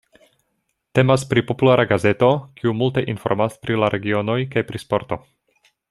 Temas pri populara gazeto kiu multe informas pri la regionoj kaj pri sporto.